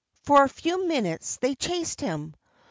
For a few minutes they chased him.